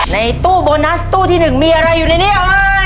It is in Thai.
ในตู้โบนัสตู้ที่หนึ่งมีอะไรอยู่ในนี่ค่ะ